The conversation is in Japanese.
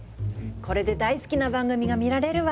これで大好きな番組が見られるわ！